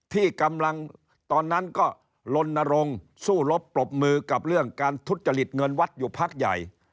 ที่กำลังตอนนั้นก็ลนรงค์สู้รบปรบมือกับเรื่องการทุจริตเงินวัดอยู่พักใหญ่